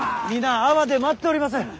皆安房で待っております。